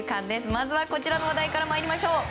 まずはこちらの話題からまいりましょう。